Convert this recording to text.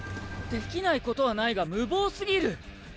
できないことはないが無謀すぎる。